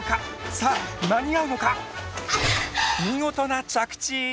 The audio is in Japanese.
さあ間に合うのか⁉見事な着地！